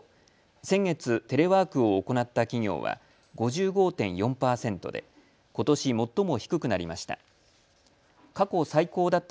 先月テレワークを行った企業は５５．４％でことし最も低くなりました。